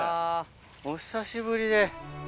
お久しぶりで。